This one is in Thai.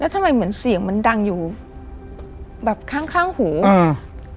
ทำไมเหมือนเสียงมันดังอยู่แบบข้างข้างหูอ่า